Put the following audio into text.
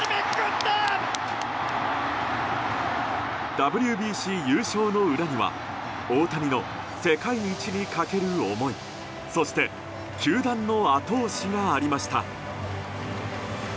ＷＢＣ優勝の裏には大谷の世界一にかける思いそして球団の後押しがありました。